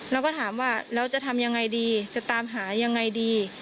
เราก็ถามว่าแล้วจะทำยังไงดีจะตามหายังไงดี